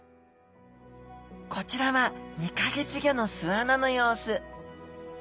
こちらは２か月後の巣穴の様子